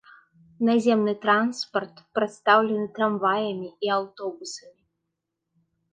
Наземны транспарт прадстаўлены трамваямі і аўтобусамі.